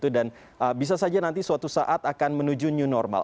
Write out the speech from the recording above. dan bisa saja nanti suatu saat akan menuju new normal